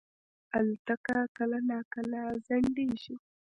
الوتکه کله ناکله ځنډېږي.